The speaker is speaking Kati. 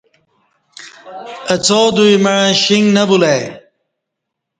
اہ څا دوی مع شیݣ نہ بُلہ ای